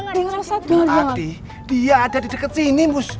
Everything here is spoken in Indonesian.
tati dia ada di deket sini mus